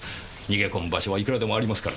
逃げ込む場所はいくらでもありますからね。